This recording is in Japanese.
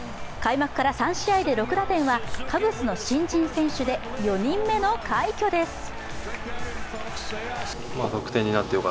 開幕から３試合で６打点はカブスの新人選手で４人目の快挙です。